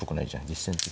実戦的。